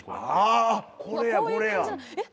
あこれやこれや。